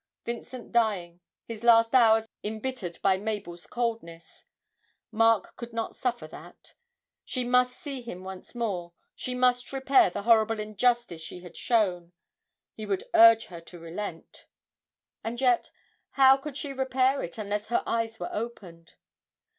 Vincent dying, his last hours embittered by Mabel's coldness. Mark could not suffer that she must see him once more, she must repair the horrible injustice she had shown he would urge her to relent! And yet, how could she repair it, unless her eyes were opened?